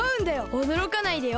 おどろかないでよ？